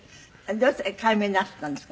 どうして改名なすったんですか？